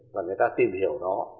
và người ta tìm hiểu nó